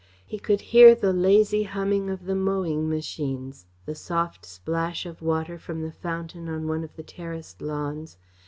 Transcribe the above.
He could hear the lazy humming of the mowing machines, the soft splash of water from the fountain on one of the terraced lawns.